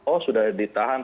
oh sudah ditahan